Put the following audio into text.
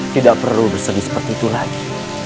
tidak perlu bersedih seperti itu lagi